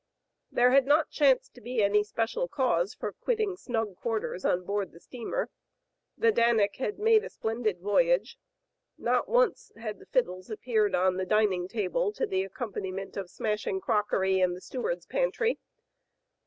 There had not chanced to be any special cause for quitting snug quarters on board the steamer. The Danic had made a splendid voyage. Not once had the "fiddles appeared on the dining table to the accompaniment of smashing crockery in the steward's pantry.